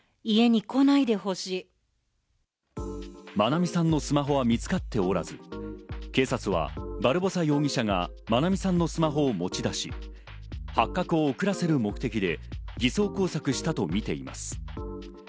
愛美さんのスマホは見つかっておらず、警察は、バルボサ容疑者が愛美さんのスマホを持ち出し、発覚を遅らせる目的で偽装工作したとみています。